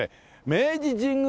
明治神宮